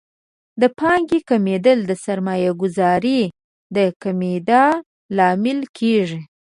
د پانګې کمیدل د سرمایه ګذارۍ د کمیدا لامل کیږي.